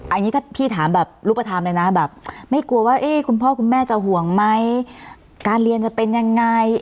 อันนี้ถ้าพี่ถามแบบรูปธรรมเลยนะแบบไม่กลัวว่าคุณพ่อคุณแม่จะห่วงไหมการเรียนจะเป็นยังไง